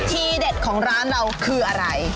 ทีเด็ดของร้านเราคืออะไร